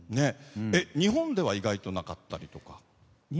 日本では意外となかったりとか。